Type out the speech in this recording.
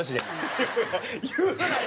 言うなよ